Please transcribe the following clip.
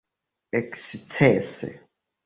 ekscese